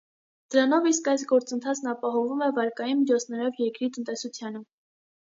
Դրանով իսկ այս գործընթացն ապահովում է վարկային միջոցներով երկրի տնտեսությանը։